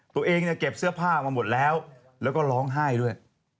ตัวเองเนี่ยเก็บเสื้อผ้ามาหมดแล้วแล้วก็ร้องไห้ด้วย